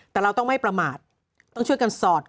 แต่เราต้องไม่ประมาทต้องช่วยกันสอด